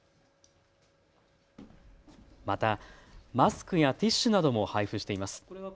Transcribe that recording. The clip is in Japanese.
またマスクやティッシュなども配布しています。